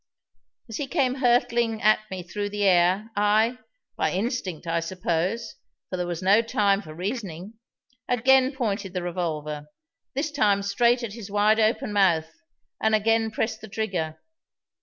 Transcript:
As he came hurtling at me through the air I by instinct, I suppose, for there was no time for reasoning again pointed the revolver, this time straight at his wide open mouth, and again pressed the trigger.